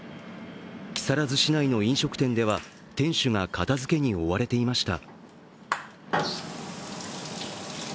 木更津市内の飲食店では、店主が片づけに追われていました。